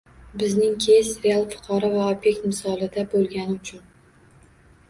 Bizning keys real fuqaro va ob’ekt misolida bo‘lgani uchun